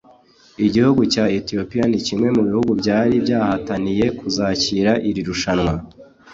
Igihugu cya Ethiopia ni kimwe mu bihugu byari byahataniye kuzakira iri rushanwa